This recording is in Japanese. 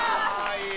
いい